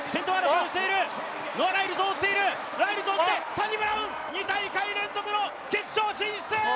サニブラウン、２大会連続の決勝進出！